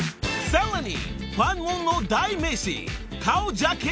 ［さらにファンモンの代名詞］